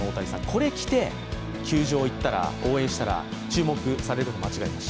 これを着て球場行って応援したら注目されるの間違いなし。